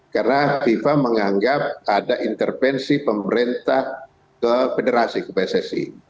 karena fifa menganggap ada intervensi pemerintah ke federasi ke pssi